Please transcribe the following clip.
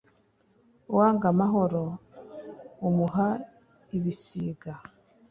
uwanga amahoro umuhe ibisiga